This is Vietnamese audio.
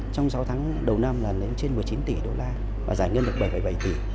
trong sáu tháng đầu năm là lên trên một mươi chín tỷ đô la và giải ngân được bảy bảy tỷ